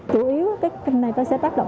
chủ yếu các bệnh nhân này sẽ tác động